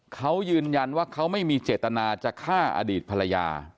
เขายืนยันว่าเขาไม่มีเจตนาจะฆ่าอดีตภรรยา